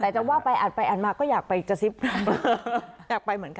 แต่จะว่าไปอ่านไปอ่านมาก็อยากไปกระซิบรำอยากไปเหมือนกัน